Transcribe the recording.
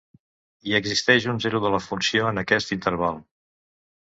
I existeix un zero de la funció en aquest interval.